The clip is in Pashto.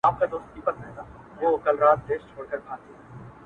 دا کيږي چي زړه له ياده وباسم